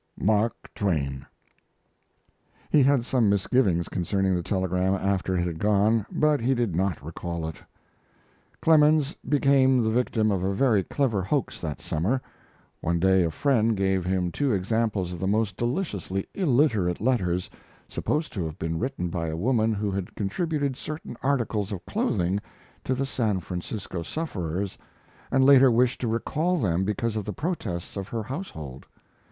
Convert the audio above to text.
MARK TWAIN. He had some misgivings concerning the telegram after it had gone, but he did not recall it. Clemens became the victim of a very clever hoax that summer. One day a friend gave him two examples of the most deliciously illiterate letters, supposed to have been written by a woman who had contributed certain articles of clothing to the San Francisco sufferers, and later wished to recall them because of the protests of her household.